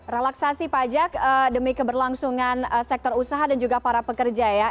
relaksasi pajak demi keberlangsungan sektor usaha dan juga para pekerja ya